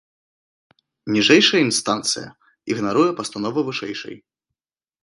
Ніжэйшая інстанцыя ігнаруе пастанову вышэйшай.